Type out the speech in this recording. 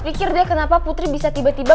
mikir deh kenapa putri bisa tiba tiba